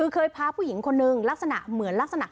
เคยพาผู้หญิงคนนึงเหมือนใช้อะไร